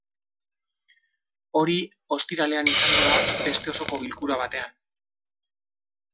Hori ostiralean izango da, beste osoko bilkura batean.